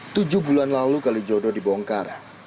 tujuh bulan lalu kalijodo dibongkar